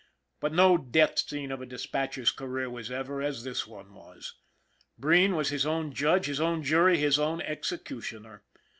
But no death scene of a dispatcher's career was ever as this one was. Breen was his own judge, his own jury, his own executioner.